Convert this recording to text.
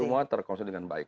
semua terkonsolidasi dengan baik